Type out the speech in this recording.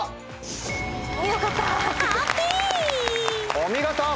お見事！